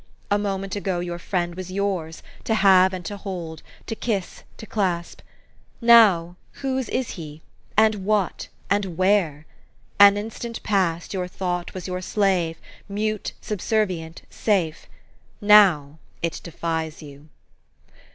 A moment ago your friend was yours, to have and to hold, to kiss, to clasp. Now, whose is he? and what? and where? An instant past, your thought was your slave, mute, subservient, safe : now it defies you.